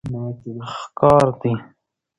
ښکار دي